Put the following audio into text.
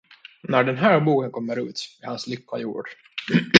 När den här boken kommer ut, är hans lycka gjord.